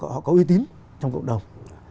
họ có uy tín trong cộng đồng